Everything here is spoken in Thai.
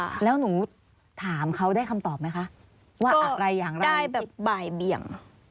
แล้วหนูถามเขาได้คำตอบไหมคะว่าอะไรอย่างไรได้แบบบ่ายเบี่ยง